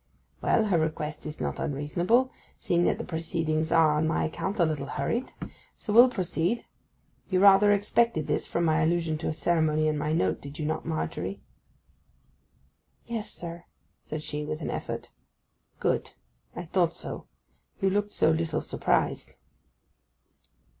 'Well, her request is not unreasonable, seeing that the proceedings are, on my account, a little hurried. So we'll proceed. You rather expected this, from my allusion to a ceremony in my note, did you not, Margery?' 'Yes, sir,' said she, with an effort. 'Good; I thought so; you looked so little surprised.